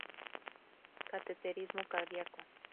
Cateterismo cardiaco.